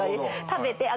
食べてあ